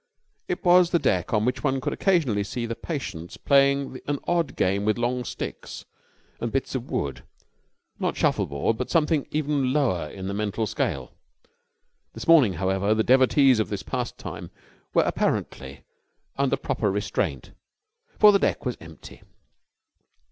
It was the deck on which one could occasionally see the patients playing an odd game with long sticks and bits of wood not shuffleboard but something even lower in the mental scale. This morning, however, the devotees of this pastime were apparently under proper restraint, for the deck was empty.